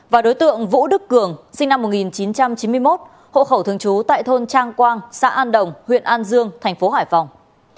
và đối tượng vũ đức cường sinh năm một nghìn chín trăm chín mươi một hộ khẩu thường trú tại thôn trang quang xã an đồng huyện an dương thành phố hải phòng